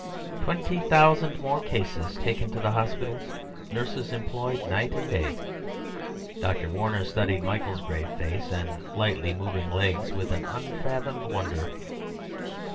"Twenty thousand more cases taken to the hospitals; nurses employed night and day." Dr. Warner studied Michael's grave face and lightly moving legs with an unfathomed wonder.